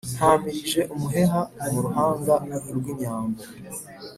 Ntamirije umuheha mu ruhanga rw’inyambo.